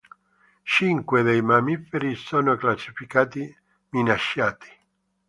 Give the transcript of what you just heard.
Cinque dei mammiferi sono classificati minacciati.